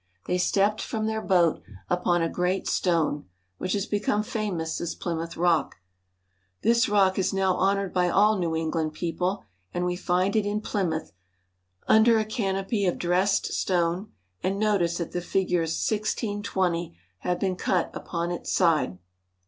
They stepped from their boat upon a great stone, which has become famous as Plymouth Rock. This rock is now honored by all New Eng land people, and we find it in Plymouth under a canopy of dressed stone, and notice that the figures 1620 have been cut upon its side.